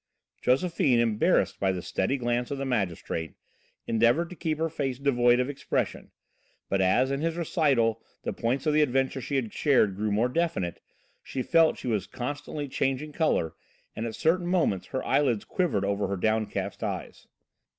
'" Josephine, embarrassed by the steady glance of the magistrate, endeavoured to keep her face devoid of expression, but as in his recital the points of the adventure she had shared grew more definite, she felt she was constantly changing colour and at certain moments her eyelids quivered over her downcast eyes.